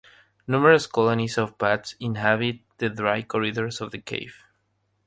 Numerous colonies of bats inhabit the dry corridors of the cave.